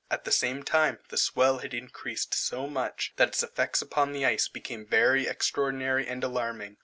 At the same time the swell had increased so much, that its effects upon the ice became very extraordinary and alarming.